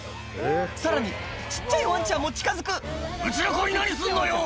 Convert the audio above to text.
さらに小っちゃいワンちゃんも近づく「うちの子に何すんのよ！」